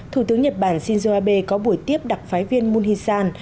thủ tướng nhật bản shinzo abe có buổi tiếp đặc phái viên moon hee san